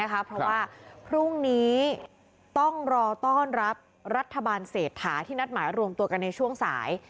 เพราะว่าพรุ่งนี้ต้องรอต้อนรับรัฐบาลเศรษฐาที่นัดหมายรวมตัวกันในช่วงสาย